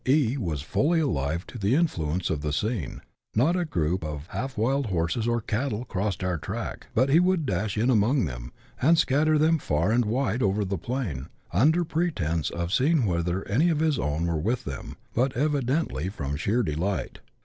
E was fully alive to the influence of the scene ; not a group of half wild horses or cattle crossed our track but he would dash in among them, and scatter them far and wide over the plain, under pretence of seeing whether any of his own were with them, but evidently from sheer delight.